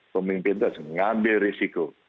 pemimpin itu harus mengambil risiko